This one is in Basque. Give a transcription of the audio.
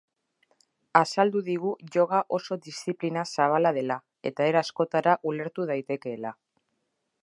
Azaldu digu yoga oso diziplina zabala dela, eta era askotara ulertu daitekeela.